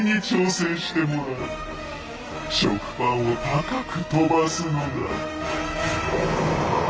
食パンを高く跳ばすのだ。